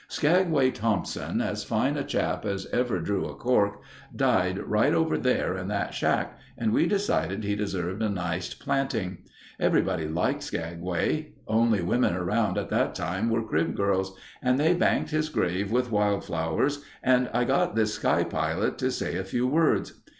"Skagway Thompson, as fine a chap as ever drew a cork, died right over there in that shack and we decided he deserved a nice planting. Everybody liked Skagway. Only women around at that time were crib girls and they banked his grave with wild flowers and I got this sky pilot to say a few words.